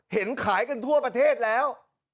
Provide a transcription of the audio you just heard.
เห็นขายกันทั่วประเทศแล้ว